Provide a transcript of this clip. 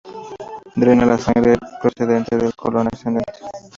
Drena la sangre procedente del "colon ascendente".